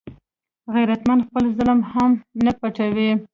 غیرتمند خپل ظلم هم نه پټوي